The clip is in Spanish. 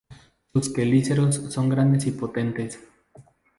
Sus quelíceros son grandes y potentes.